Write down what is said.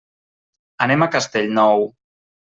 Anem a Castellnou.